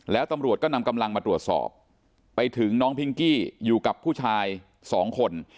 แล้วตำรวจก็นำกำลังมาตรวจสอบไปถึงน้องพิงกี้อยู่กับผู้ชายสองคน